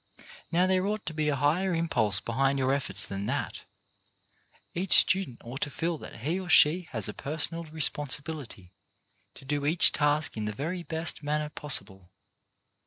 Now there ought to be a higher impulse behind your efforts than that. Each student ought to feel that he or she has a personal responsibility to do each task in the very best manner possible.